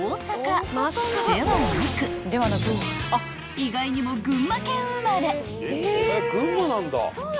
［意外にも群馬県生まれ］